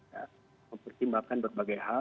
ya mempertimbangkan berbagai hal